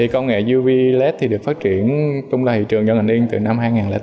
công nghệ uv led được phát triển trong thị trường doanh nghiệp từ năm hai nghìn tám